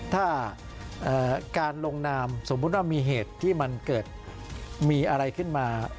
ถ้าการลงนามสมมุติว่ามีเหตุที่มันเกิดมีอะไรขึ้นมา